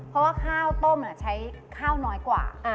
เพราะว่าข้าวต้มใช้ข้าวน้อยกว่า